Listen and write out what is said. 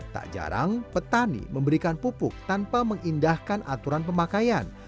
tak jarang petani memberikan pupuk tanpa mengindahkan aturan pemakaian